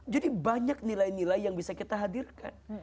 jadi banyak nilai nilai yang bisa kita hadirkan